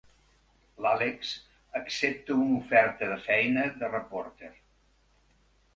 L'Alex accepta una oferta de feina de reporter.